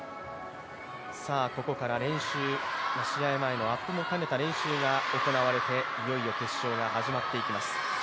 ここから試合前の練習も兼ねたアップが行われて、いよいよ決勝が始まります。